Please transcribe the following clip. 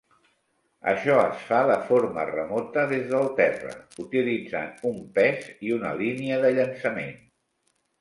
Això es fa de forma remota des del terra, utilitzant un pes i una línia de llançament.